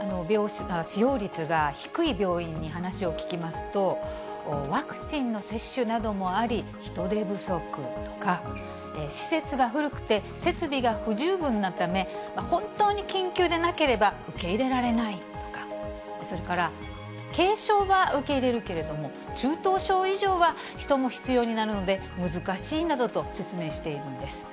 使用率が低い病院に話を聞きますと、ワクチンの接種などもあり、人手不足とか、施設が古くて設備が不十分なため、本当に緊急でなければ受け入れられないとか、それから、軽症は受け入れるけれども、中等症以上は人も必要になるので難しいなどと説明しているんです。